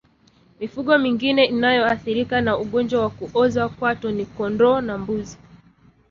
Mifugo mingine inayoathirika na ugonjwa wa kuoza kwato ni kondoo na mbuzi